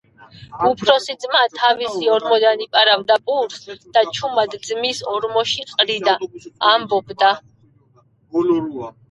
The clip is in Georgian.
უფროსი ძმა თავისი ორმოდან იპარავდა პურს და ჩუმად ძმის ორმოში ყრიდა. ამბობდა: